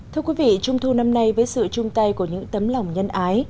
thưa quý vị trung thu năm nay với sự chung tay của những tấm lòng nhân ái